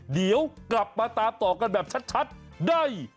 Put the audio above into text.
เดี๋ยวกลับมาตามต่อกันแบบชัดได้